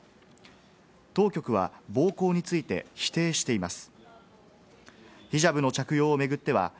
当局は暴行について否定しています。